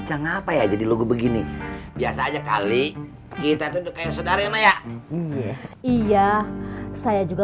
nah ngapa ya jadi logo begini biasa aja kali kita itu kayak saudara ya iya iya saya juga